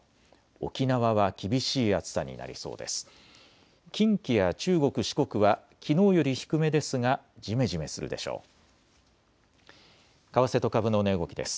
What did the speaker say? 沖縄は厳しい暑さになりそうです。